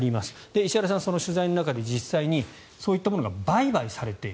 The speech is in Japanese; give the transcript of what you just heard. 石原さんはその取材の中で実際にそういったものが売買されている。